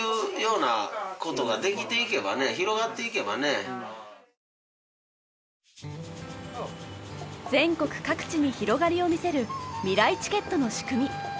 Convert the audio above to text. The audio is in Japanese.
全国各地に広がりを見せるみらいチケットの仕組み。